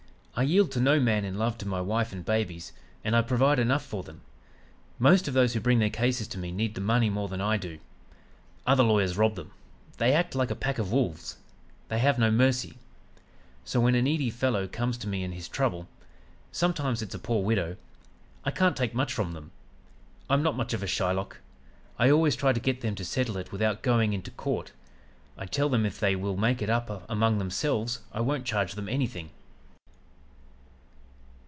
I yield to no man in love to my wife and babies, and I provide enough for them. Most of those who bring their cases to me need the money more than I do. Other lawyers rob them. They act like a pack of wolves. They have no mercy. So when a needy fellow comes to me in his trouble sometimes it's a poor widow I can't take much from them. I'm not much of a Shylock. I always try to get them to settle it without going into court. I tell them if they will make it up among themselves I won't charge them anything.'